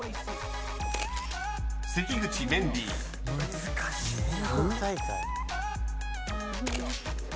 難しいな。